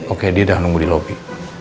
oke dia udah nunggu di lobi